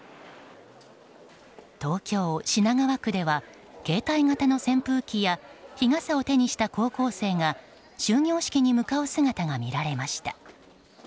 東京・品川区では携帯型の扇風機や日傘を手にした高校生が終業式に向かう姿が見られました。